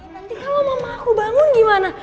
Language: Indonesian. nanti kamu mau sama aku bangun gimana